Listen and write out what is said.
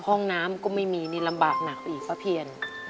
ห้องน้ำก็ไม่มีนี่ลำบากหนักไปอีกซะเพียน